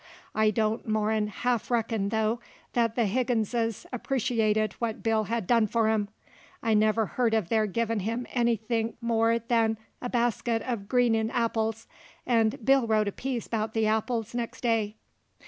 I don't more'n half reckon, though, that the Higginses appreciated what Bill had done for 'em. I never heerd uv their givin' him anythink more'n a basket uv greenin' apples, and Bill wrote a piece 'bout the apples nex' day.